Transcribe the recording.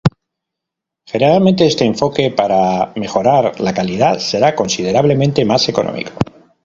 Generalmente este enfoque para mejorar la calidad será considerablemente más económico.